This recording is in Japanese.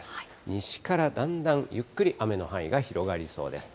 西からだんだんゆっくり雨の範囲が広がりそうです。